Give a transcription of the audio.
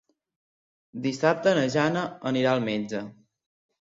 Dissabte na Jana anirà al metge.